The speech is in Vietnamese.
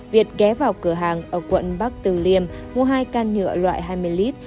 việt ghé vào cửa hàng ở quận bắc từ liêm mua hai can nhựa loại hai mươi lít